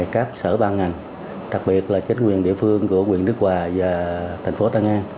các sở ban ngành đặc biệt là chính quyền địa phương của quyền đức hòa và thành phố tân an